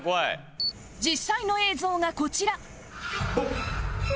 実際の映像がこちらあっ！